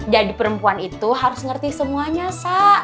jadi perempuan itu harus ngerti semuanya sa